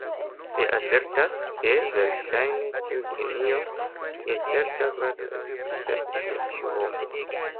Li asertas, ke, verŝajne, tiu genio je certa grado ekzistas en ĉiu homo.